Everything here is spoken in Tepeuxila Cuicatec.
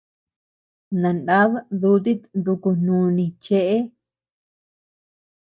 Nanad dutit nuku nuni chëe.